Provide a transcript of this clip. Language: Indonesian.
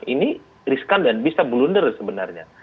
ini riskan dan bisa blunder sebenarnya